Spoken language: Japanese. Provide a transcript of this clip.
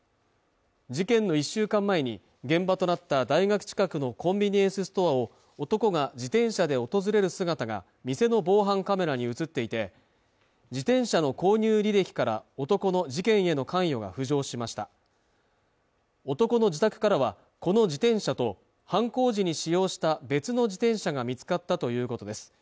事件の１週間前に現場となった大学近くのコンビニエンスストアを男が自転車で訪れる姿が店の防犯カメラに映っていて自転車の購入履歴から男の事件への関与が浮上しました男の自宅からはこの自転車と犯行時に使用した別の自転車が見つかったということです